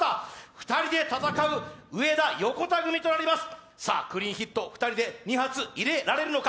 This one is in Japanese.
２人で戦う、上田・横田組となりますさあ、クリーンヒット、２人で２発入れられるのか。